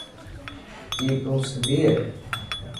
ڪي تون سنڌي هي.